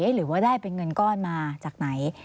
หรือว่าได้เป็นเงินก้อนมาจากไหน